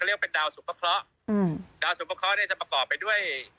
เรียกเป็นดาวสุพเคราะห์ดาวสุประเคราะเนี่ยจะประกอบไปด้วย